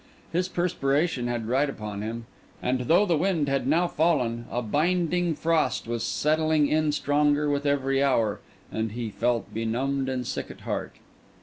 His perspiration had dried upon him; and though the wind had now fallen, a binding frost was setting in stronger with every hour, and be felt benumbed and sick at heart.